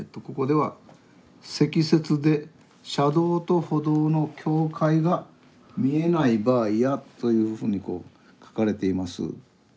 ここでは「積雪で車道と歩道の境界が見えない場合や」というふうにこう書かれています。